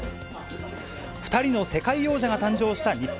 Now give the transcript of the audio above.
２人の世界王者が誕生した日本。